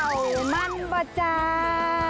เอามั่นบ่จ้า